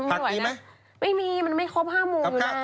พักอีกไหมไม่มีมันไม่ครบ๕หมูอยู่แล้ว